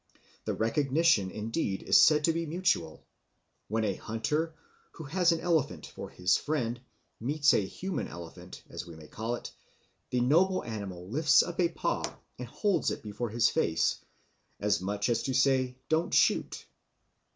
The recognition indeed is said to be mutual. When a hunter, who has an elephant for his friend, meets a human elephant, as we may call it, the noble animal lifts up a paw and holds it before his face, as much as to say, "Don't shoot."